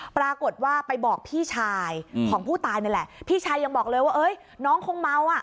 ปรากฏว่าไปบอกพี่ชายของผู้ตายนั่นแหละพี่ชายยังบอกเลยว่าเอ้ยน้องคงเมาอ่ะ